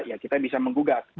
ya kita bisa mengugat